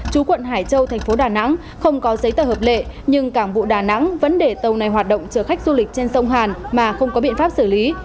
chú quận hải châu thành phố đà nẵng không có giấy tờ hợp lệ nhưng cảng vụ đà nẵng vẫn để tàu này hoạt động chở khách du lịch trên sông hàn mà không có biện pháp xử lý